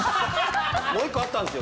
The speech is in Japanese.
もう１個あったんですよ